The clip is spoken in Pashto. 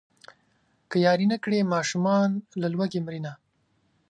که ياري نه کړي ماشومان له لوږې مرينه.